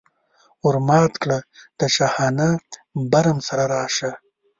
ور مات کړه د شاهانه برم سره راشه.